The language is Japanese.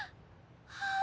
はあ！